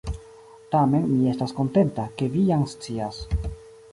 Tamen mi estas kontenta, ke vi jam scias.